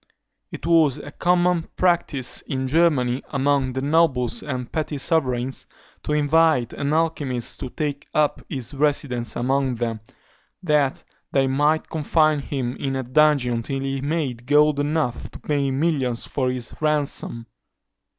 It was a common practice in Germany, among the nobles and petty sovereigns, to invite an alchymist to take up his residence among them, that they might confine him in a dungeon till he made gold enough to pay millions for his ransom.